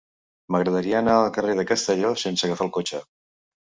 M'agradaria anar al carrer de Castelló sense agafar el cotxe.